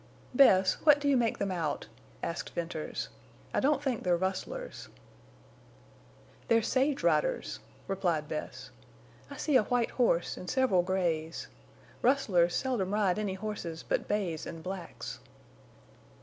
"Bess, what do you make them out?" asked Venters. "I don't think they're rustlers." "They're sage riders," replied Bess. "I see a white horse and several grays. Rustlers seldom ride any horses but bays and blacks."